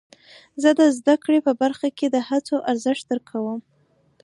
زه د زده کړې په برخه کې د هڅو ارزښت درک کوم.